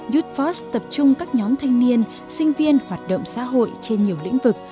youtford tập trung các nhóm thanh niên sinh viên hoạt động xã hội trên nhiều lĩnh vực